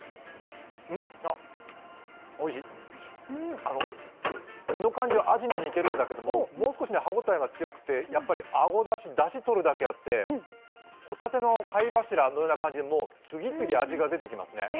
おいしい、身の感じはあじに似てるんだけどもう少し歯応えが強くて、やっぱりあごだし、だし取るだけあって、帆立の貝柱のように、もう次々味が出てきますね。